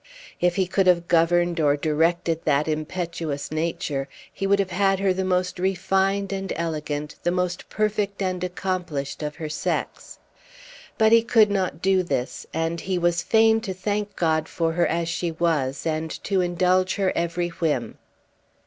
If he could have governed or directed that impetuous nature, he would have had her the most refined and elegant, the most perfect and accomplished of her sex; but he could not do this, and he was fain to thank God for her as she was, and to indulge her every whim.